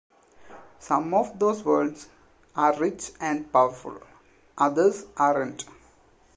Some of those worlds are rich and powerful, others aren't.